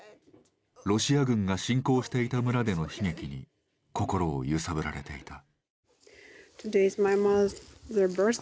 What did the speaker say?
ロシア軍が侵攻していた村での悲劇に心を揺さぶられていた。